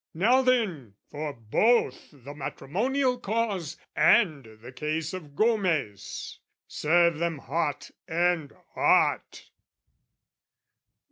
"Now then for both the Matrimonial Cause "And the case of Gomez! Serve them hot and hot!